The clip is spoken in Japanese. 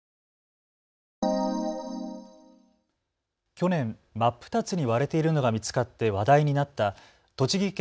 去年、真っ二つに割れているのが見つかって話題になった栃木県